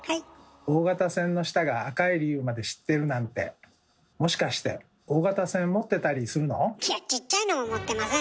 大型船の下が赤い理由まで知ってるなんていやちっちゃいのも持ってません。